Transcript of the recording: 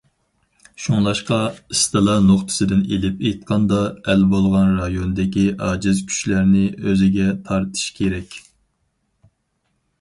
شۇڭلاشقا، ئىستىلا نۇقتىسىدىن ئېلىپ ئېيتقاندا، ئەل بولغان رايوندىكى ئاجىز كۈچلەرنى ئۆزىگە تارتىش كېرەك.